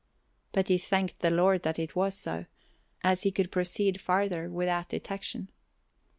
But he thanked the Lord that it was so, as he could proceed farther without detection.